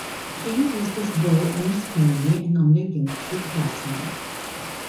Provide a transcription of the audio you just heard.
King used this ball only sparingly and only against good batsmen.